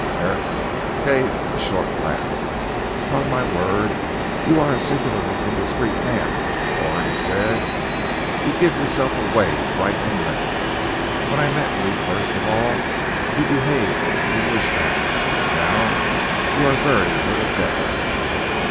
Herrick gave a short laugh. "Upon my word you are a singularly indiscreet man Mr. Corn," he said, "you give yourself away right and left. When I met you first of all, you behaved in a foolish manner. Now you are very little better.